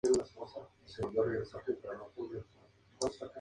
He ahí el motivo de los primeros problemas con los colonos